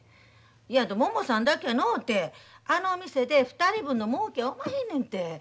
いやももさんだけやのうてあのお店で２人分のもうけはおまへんねんて。